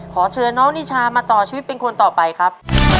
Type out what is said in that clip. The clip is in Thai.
ขอเชิญน้องนิชามาต่อชีวิตเป็นคนต่อไปครับ